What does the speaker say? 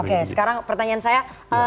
oke sekarang pertanyaan saya